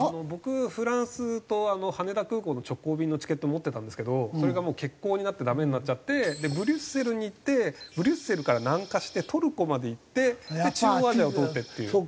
僕フランスと羽田空港の直行便のチケット持ってたんですけどそれがもう欠航になってダメになっちゃってブリュッセルに行ってブリュッセルから南下してトルコまで行って中央アジアを通ってっていう。